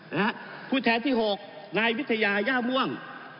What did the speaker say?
นะฮะผู้แทนที่หกนายวิทยาย่าม่วง